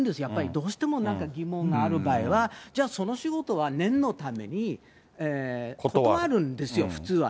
どうしてもなんか疑問がある場合は、じゃあその仕事は念のために断るんですよ、普通は。